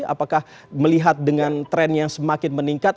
apakah melihat dengan tren yang semakin meningkat